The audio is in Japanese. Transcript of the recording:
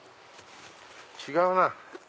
違うな。